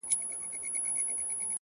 گوره را گوره وه شپوږمۍ ته گوره.